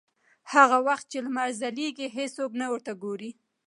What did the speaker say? هغه وخت چې لمر ځلېږي هېڅوک نه ورته ګوري.